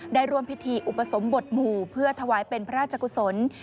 ได้ร่วมพิธีอุปสมบทหมู่เพื่อถวายเป็นพระราชกุศล